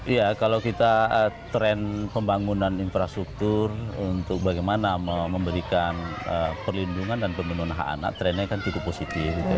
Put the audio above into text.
iya kalau kita tren pembangunan infrastruktur untuk bagaimana memberikan perlindungan dan pemenuhan hak anak trennya kan cukup positif